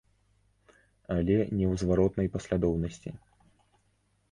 Але не ў зваротнай паслядоўнасці.